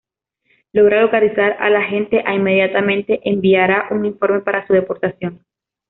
Logra localizar al agente, e inmediatamente enviará un informe para su deportación.